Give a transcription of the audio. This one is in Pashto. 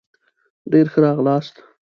ډېر ښه راغلاست